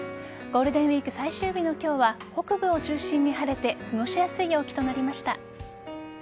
ゴールデンウイーク最終日の今日は北部を中心に晴れて過ごしやすい陽気となりました。